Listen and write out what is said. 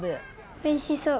おいしそう。